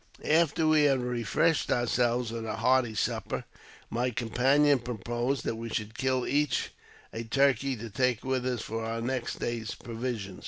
After we had refreshed ourselves with a hearty supper, my companion proposed that we should kill each a turkey to take wdth us for our next day's provision.